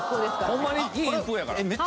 ホンマに金一封やから。